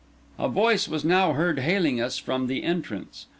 A voice was now heard hailing us from the entrance.